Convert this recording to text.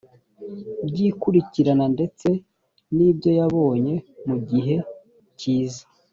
ry ikurikirana ndetse n ibyo yabonye mu gihe kiza